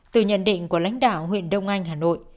từ nhận định của lãnh đạo huyện đông anh hà nội